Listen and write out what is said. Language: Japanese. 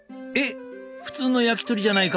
普通の焼き鳥じゃないかって？